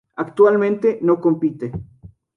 Actualmente no compite.